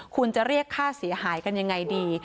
คุณจะเรียกค่าเสียหายกันยังไงดี